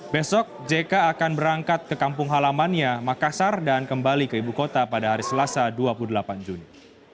besok jk akan berangkat ke kampung halamannya makassar dan kembali ke ibu kota pada hari selasa dua puluh delapan juni